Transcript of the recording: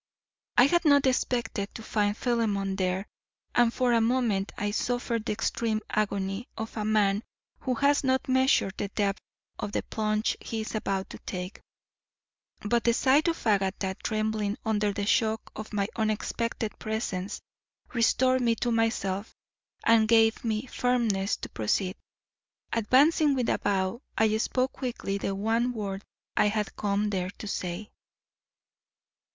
I had not expected to find Philemon there, and for a moment I suffered the extreme agony of a man who has not measured the depth of the plunge he is about to take; but the sight of Agatha trembling under the shock of my unexpected presence restored me to myself and gave me firmness to proceed. Advancing with a bow, I spoke quickly the one word I had come there to say.